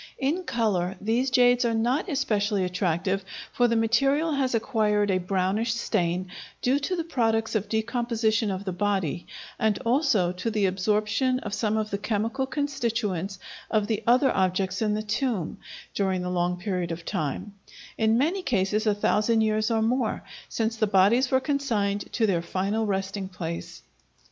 In color these jades are not especially attractive, for the material has acquired a brownish stain, due to the products of decomposition of the body, and also to the absorption of some of the chemical constituents of the other objects in the tomb, during the long period of time, in many cases a thousand years or more, since the bodies were consigned to their final resting place.